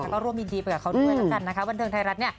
แล้วก็ร่วมยินดีไปกับเขาด้วยแล้วกันนะคะบันเทิงไทยรัฐเนี่ย